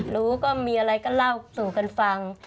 รู้ก็มีอะไรก็เล่าสู่กันฟัง